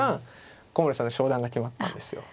古森さんの昇段が決まったんですよ。